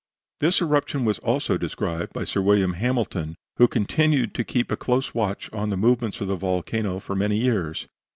This eruption was also described by Sir William Hamilton, who continued to keep a close watch on the movements of the volcano for many years.